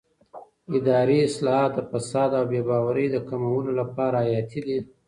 اداري اصلاحات د فساد او بې باورۍ د کمولو لپاره حیاتي دي